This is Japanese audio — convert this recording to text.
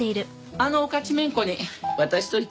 あのおかちめんこに渡しといて。